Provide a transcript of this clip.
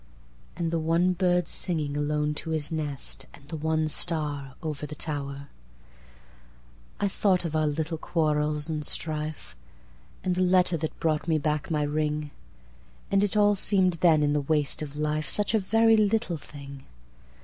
And the one bird singing alone to his nest, And the one star over the tower.I thought of our little quarrels and strife, And the letter that brought me back my ring. And it all seem'd then, in the waste of life, Such a very little thing!